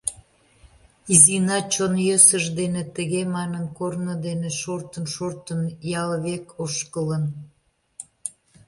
Изина чон йӧсыж дене тыге манын, корно дене, шортын-шортын, ял век ошкылын.